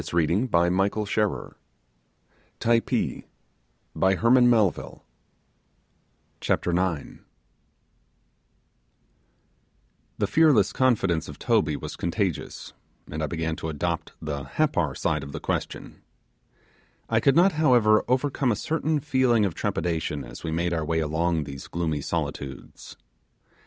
CHAPTER NINE PERILOUS PASSAGE OF THE RAVINE DESCENT INTO THE VALLEY The fearless confidence of Toby was contagious, and I began to adopt the Happar side of the question. I could not, however, overcome a certain feeling of trepidation as we made our way along these gloomy solitudes.